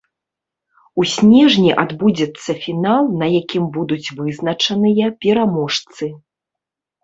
У снежні адбудзецца фінал, на якім будуць вызначаныя пераможцы.